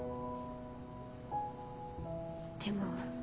でも。